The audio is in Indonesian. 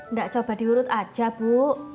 nggak coba diurut aja bu